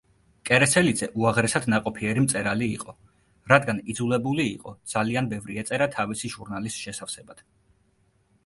კერესელიძე უაღრესად ნაყოფიერი მწერალი იყო, რადგან იძულებული იყო ძალიან ბევრი ეწერა თავისი ჟურნალის შესავსებად.